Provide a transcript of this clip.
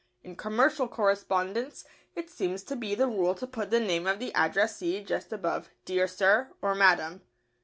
In commercial correspondence it seems to be the rule to put the name of the addressee just above "Dear Sir" or "Madam."